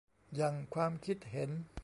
หยั่งความคิดเห็น